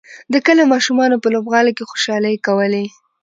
د کلي ماشومانو په لوبغالي کې خوشحالۍ کولې.